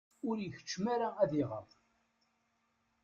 Ur ikeččem ara ad iɣer.